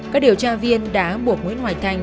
các điều tra viên đã buộc nguyễn hoài thanh